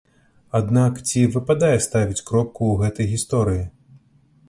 Аднак ці выпадае ставіць кропку ў гэтай гісторыі?